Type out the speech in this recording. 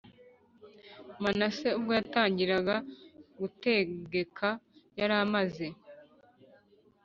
Manase ubwo yatangiraga gutegeka yari amaze